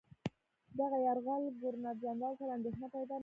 دغه یرغل ګورنرجنرال سره اندېښنه پیدا نه کړه.